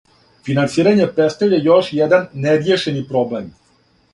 Финансирање представља још један неријешени проблем.